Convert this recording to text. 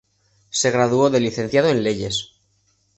Se graduó de Licenciado en Leyes.